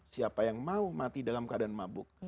siapa yang mau mati dalam keadaan mabuk